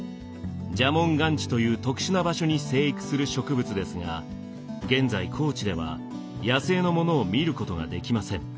蛇紋岩地という特殊な場所に生育する植物ですが現在高知では野生のものを見ることができません。